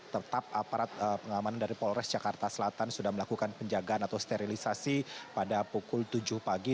tetap aparat pengamanan dari polres jakarta selatan sudah melakukan penjagaan atau sterilisasi pada pukul tujuh pagi